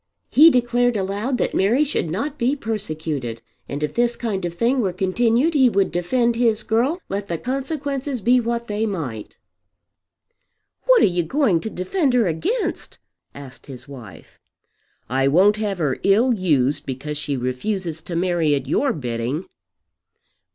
He declared aloud that Mary should not be persecuted, and if this kind of thing were continued he would defend his girl let the consequences be what they might. "What are you going to defend her against?" asked his wife. "I won't have her ill used because she refuses to marry at your bidding."